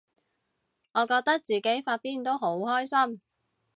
我覺得自己發癲都好開心